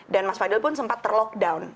dan mas fadil pun sempat terlockdown